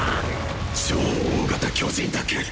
「超大型巨人」だけ！！